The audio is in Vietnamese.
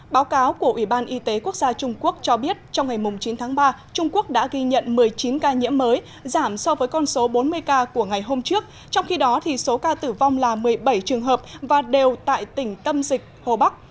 báo cáo của ủy ban y tế quốc gia trung quốc cho biết trong ngày chín tháng ba trung quốc đã ghi nhận một mươi chín ca nhiễm mới giảm so với con số bốn mươi ca của ngày hôm trước trong khi đó số ca tử vong là một mươi bảy trường hợp và đều tại tỉnh tâm dịch hồ bắc